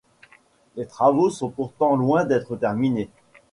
Les travaux sont pourtant loin d'être terminés.